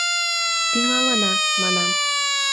— Тӱҥалына, — манам.